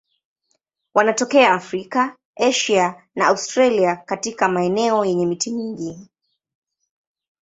Wanatokea Afrika, Asia na Australia katika maeneo yenye miti mingi.